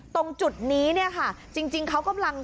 ตรงจุดนี้เนี่ยค่ะ